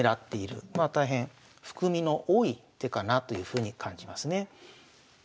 まあ大変含みの多い手かなというふうに感じますね。